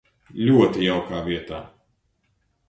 Ļoti jaukā vietā.